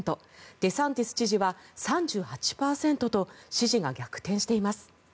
デサンティス知事は３８％と支持が逆転しています。